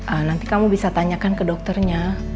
ah nanti kamu bisa tanyakan ke dokternya